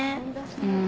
うん。